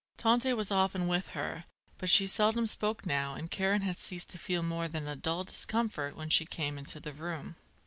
Tante was often with her; but she seldom spoke now and Karen had ceased to feel more than a dull discomfort when she came into the room.